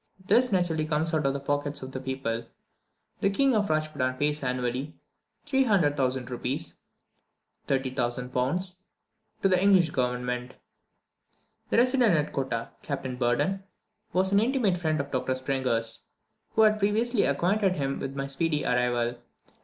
This naturally comes out of the pockets of the people. The King of Rajpootan pays annually 300,000 rupees (30,000 pounds) to the English government. The resident at Kottah, Captain Burdon, was an intimate friend of Dr. Sprenger's, who had previously acquainted him with my speedy arrival.